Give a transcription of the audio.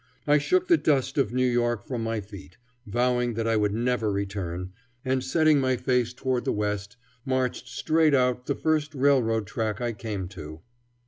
I shook the dust of New York from my feet, vowing that I would never return, and, setting my face toward the west, marched straight out the first railroad track I came to.